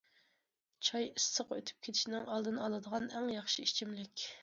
چاي ئىسسىق ئۆتۈپ كېتىشنىڭ ئالدىنى ئالىدىغان ئەڭ ياخشى ئىچىملىك.